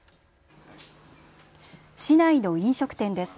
市内の飲食店です。